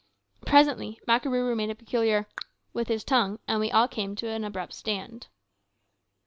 Presently Makarooroo made a peculiar "cluck" with his tongue, and we all came to an abrupt stand.